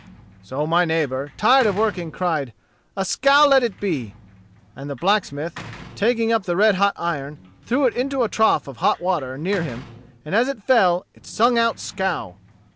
So my neighbor, tired of working, cried, 'A skow let it be;' and the blacksmith, taking up the red hot iron, threw it into a trough of hot water near him, and as it fell in, it sung out skow.